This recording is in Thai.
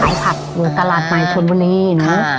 ขายผักอยู่ตลาดใหม่จนวันนี้นะครับ